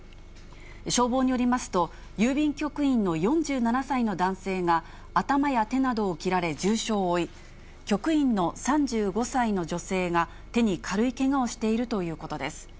消防によりますと、郵便局員の４７歳の男性が、頭や手などを切られ重傷を負い、局員の３５歳の女性が手に軽いけがをしているということです。